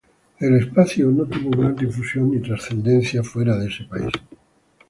El espacio no tuvo gran difusión ni trascendencia fuera de ese país.